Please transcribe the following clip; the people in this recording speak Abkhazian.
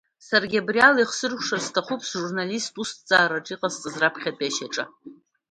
Саргьы абриала ихсыркәшарц сҭахуп сжурналисттә усҭҵаараҿы иҟасҵаз раԥхьатәи ашьаҿа.